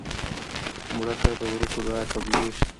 مړه ته د ورکو دعا قبلیږي